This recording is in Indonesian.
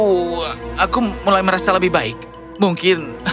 oh aku mulai merasa lebih baik mungkin